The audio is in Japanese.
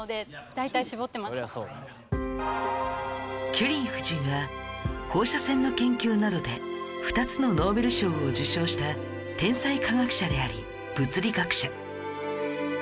キュリー夫人は放射線の研究などで２つのノーベル賞を受賞した天才科学者であり物理学者